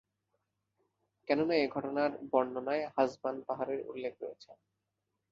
কেননা, এ ঘটনার বর্ণনায় হাসবান পাহাড়ের উল্লেখ রয়েছে।